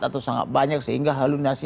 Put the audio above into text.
atau sangat banyak sehingga halumasi